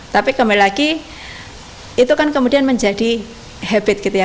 tapi kembali lagi itu kan kemudian menjadi habit gitu ya